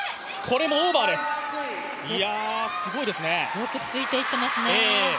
よくついていっていますね。